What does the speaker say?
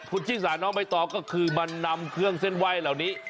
คุณชิสาน้องใบตองก็คือมานำเครื่องเส้นไหว้เหล่านี้